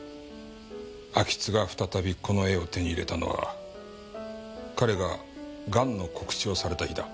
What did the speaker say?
安芸津が再びこの絵を手に入れたのは彼がガンの告知をされた日だ。